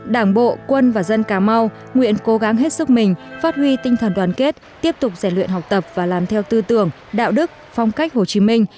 đảng bộ quân và dân cà mau nguyện cố gắng hết sức mình phát huy tinh thần đoàn kết tiếp tục rèn luyện học tập và làm theo tư tưởng đạo đức phong cách hồ chí minh